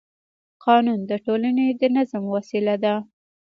قانون د ټولنې د نظم وسیله ده